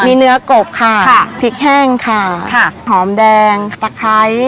มีเนื้อกบค่ะค่ะพริกแห้งค่ะค่ะหอมแดงตะไคร้